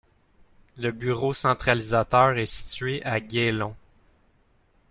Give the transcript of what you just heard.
Le bureau centralisateur est situé à Gaillon.